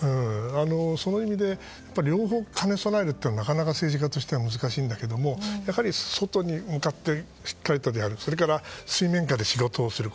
その意味で、両方兼ね備えるのはなかなか政治家としては難しいんですが外に向かってしっかりとやるそれから水面下で仕事をする。